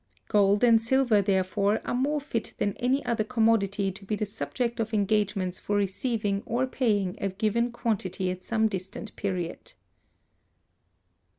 Gold and silver, therefore, are more fit than any other commodity to be the subject of engagements for receiving or paying a given quantity at some distant period.